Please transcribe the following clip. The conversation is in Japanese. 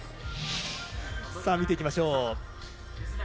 見ていきましょう。